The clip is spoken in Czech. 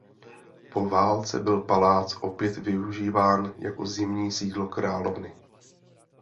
Po válce byl palác opět využíván jako zimní sídlo královny.